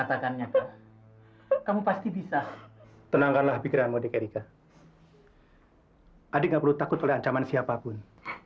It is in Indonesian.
katakannya kamu pasti bisa tenangkanlah pikiran modek erika adik takut oleh ancaman siapapun